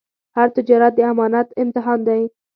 هر تجارت د امانت امتحان دی.